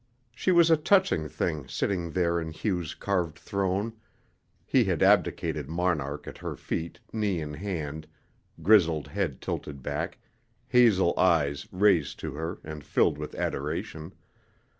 She was a touching thing sitting there in Hugh's carved throne he an abdicated monarch at her feet, knee in hand, grizzled head tilted back, hazel eyes raised to her and filled with adoration.